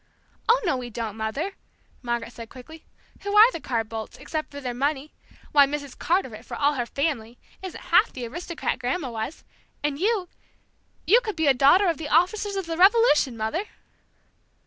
"Oh, no, we don't, Mother," Margaret said quickly. "Who are the Carr Boldts, except for their money? Why, Mrs. Carteret, for all her family! isn't half the aristocrat Grandma was! And you you could be a Daughter of The Officers of the Revolution, Mother!"